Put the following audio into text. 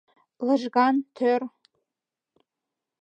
Лыжган, тӧр.